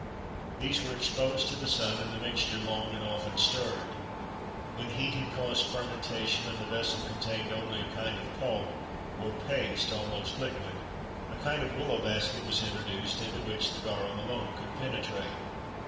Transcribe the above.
These were exposed to the sun, and the mixture long and often stirred. When heat had caused fermentation, and the vessel contained only a kind of pulp, or paste, almost liquid, a kind of willow basket was introduced, into which the garum alone could penetrate.